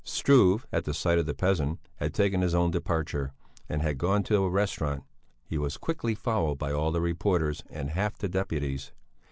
Struve, at the sight of the peasant, had taken his own departure, and had gone to a restaurant; he was quickly followed by all the reporters and half the deputies.